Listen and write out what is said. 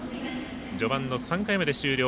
序盤の３回目で終了